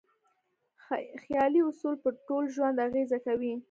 خیالي اصول په ټول ژوند اغېزه کوي.